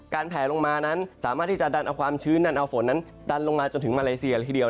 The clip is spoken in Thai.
แผลลงมานั้นสามารถที่จะดันเอาความชื้นดันเอาฝนนั้นดันลงมาจนถึงมาเลเซียละทีเดียว